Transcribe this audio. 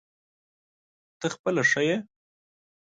ته خپله ښه یې ؟